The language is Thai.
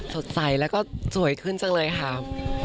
สดใสแล้วก็สวยขึ้นจังเลยค่ะ